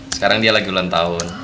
sekarang dia lagi ulang tahun